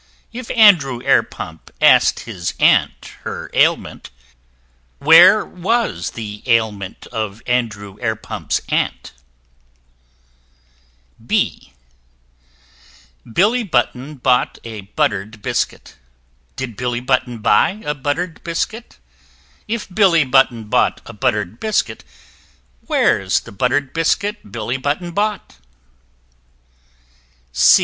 If Andrew Airpump ask'd his Aunt her ailment, Where was the Ailment of Andrew Airpump's Aunt? B b [Illustration: Billy Button] Billy Button bought a butter'd Biscuit: Did Billy Button buy a butter'd Biscuit? If Billy Button bought a butter'd Biscuit, Where's the butter'd Biscuit Billy Button bought?